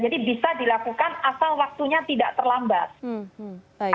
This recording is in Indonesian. jadi bisa dilakukan asal waktunya tidak terlambat